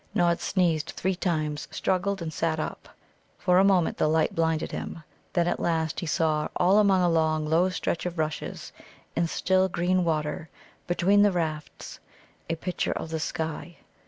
Nod sneezed three times, struggled, and sat up. For a moment the light blinded him. Then at last he saw all among a long low stretch of rushes, in still, green water, between the rafts, a picture of the sky.